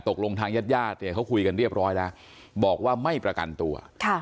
ตกลงทางญาติญาติเนี่ยเขาคุยกันเรียบร้อยแล้วบอกว่าไม่ประกันตัว